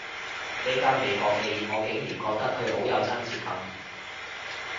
呢間美國企業，我竟然覺得佢好有親切感